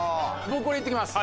僕これいってきます。